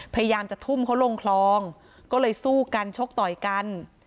พยายามจะทุ่มเขาลงคลองก็เลยสู้กันชกต่อยกัน